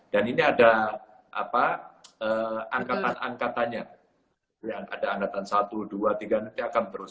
dan ini ada angkatan angkatannya ada angkatan satu dua tiga nanti akan terus